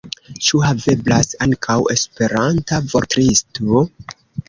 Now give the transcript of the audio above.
Ĉu haveblas ankaŭ Esperanta vortlisto?